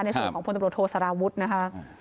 ในส่วนของพลตำรวจโทษสารวุฒินะคะ